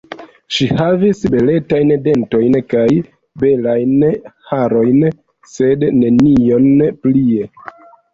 Ŝi havis beletajn dentojn kaj belajn harojn, sed nenion plie.